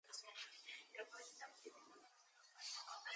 Mitchell contracted the Spanish flu and later developed pneumonia.